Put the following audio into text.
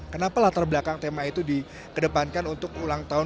kenapa latar belakang tema itu dikedepankan untuk ulang tahun